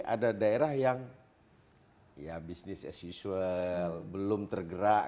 ada daerah yang ya business as usual belum tergerak